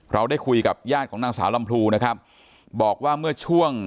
เราได้คุยกับญาติของนางสาวลำพูนะครับบอกว่าเมื่อช่วง